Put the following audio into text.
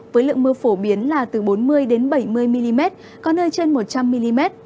với lượng mưa phổ biến là từ bốn mươi bảy mươi mm có nơi trên một trăm linh mm